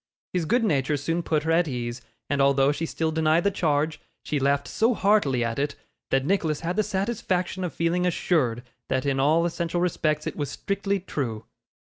His good nature soon put her at her ease; and although she still denied the charge, she laughed so heartily at it, that Nicholas had the satisfaction of feeling assured that in all essential respects it was strictly true.